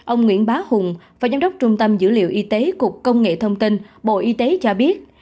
ông nguyễn bá hùng và giám đốc trung tâm dữ liệu y tế cục công nghệ thông tin bộ y tế cho biết